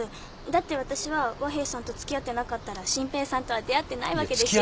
だって私は和平さんと付き合ってなかったら真平さんとは出会ってないわけですし。